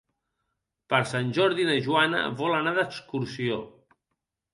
Per Sant Jordi na Joana vol anar d'excursió.